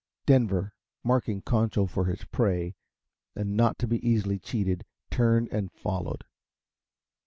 Denver, marking Concho for his prey and not to be easily cheated, turned and followed.